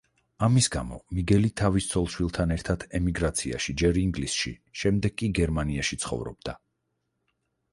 ამის გამო, მიგელი თავის ცოლ-შვილთან ერთად ემიგრაციაში ჯერ ინგლისში, შემდეგ კი გერმანიაში ცხოვრობდა.